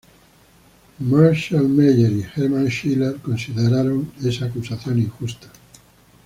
Marshall Meyer y Herman Schiller consideraron esa acusación injusta.